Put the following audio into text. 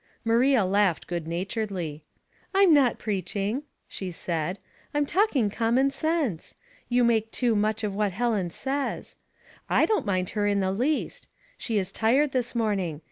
Maria laughed good naturedly. '' Tm not preaching," she said, *' Fra talking common sense. You make too much of what Helen says. I don't mind her in the least. She is tired this morning.